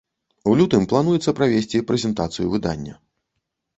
У лютым плануецца правесці прэзентацыю выдання.